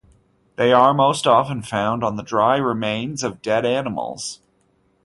They are most often found on the dry remains of dead animals.